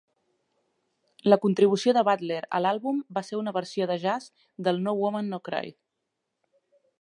La contribució de Butler a l'àlbum va ser una versió de jazz de "No Woman No Cry".